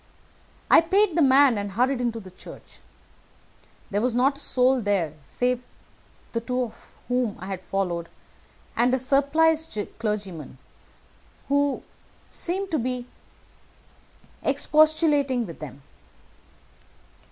I paid the man, and hurried into the church. There was not a soul there save the two whom I had followed, and a surpliced clergyman, who seemed to be expostulating with them.